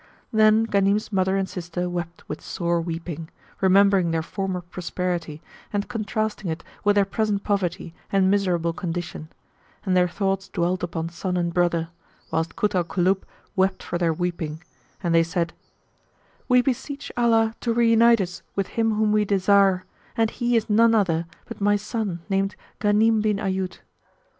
Then Ghanim's mother and sister wept with sore weeping, remembering their former prosperity and contrasting it with their present poverty and miserable condition; and their thoughts dwelt upon son and brother, whilst Kut al Kulub wept for their weeping; and they said, "We beseech Allah to reunite us with him whom we desire, and he is none other but my son named Ghanim bin Ayyub!"